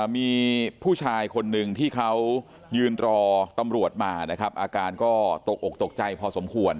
มีผู้ชายคนหนึ่งที่เขายืนรอตำรวจมานะครับอาการก็ตกอกตกใจพอสมควร